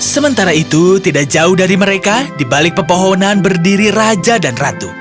sementara itu tidak jauh dari mereka di balik pepohonan berdiri raja dan ratu